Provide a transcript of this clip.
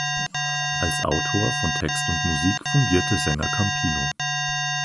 Als Autor von Text und Musik fungierte Sänger Campino.